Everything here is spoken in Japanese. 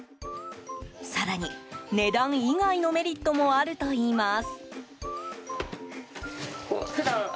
更に、値段以外のメリットもあるといいます。